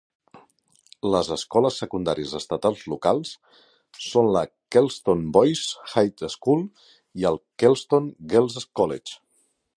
Les escoles secundàries estatals locals són la Kelston Boys' High School i el Kelston Girls' College.